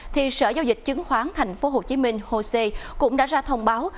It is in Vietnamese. thì sở giao dịch chứng khoán tp hcm hồ sê cũng đã ra thông báo